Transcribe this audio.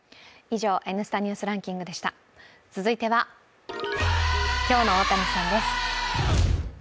続いては、今日の大谷さんです。